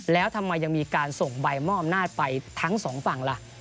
แล้วทำไมยังมีการส่งใบมอบอำนาจไปทั้งสองฝั่งล่ะ